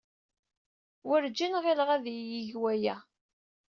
Werjin ɣileɣ ad iyi-yeg aya.